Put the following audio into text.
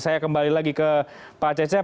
saya kembali lagi ke pak cecep